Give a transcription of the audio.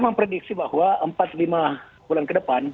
memprediksi bahwa empat lima bulan ke depan